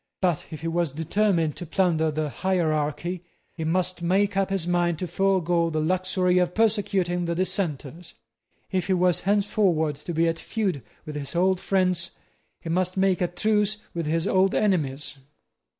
But if he was determined to plunder the hierarchy, he must make up his mind to forego the luxury of persecuting the Dissenters. If he was henceforward to be at feud with his old friends, he must make a truce with his old enemies.